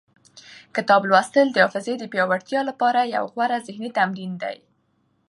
کتاب لوستل د حافظې د پیاوړتیا لپاره یو غوره ذهني تمرین دی.